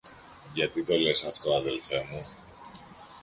Γιατί το λες αυτό, αδελφέ μου;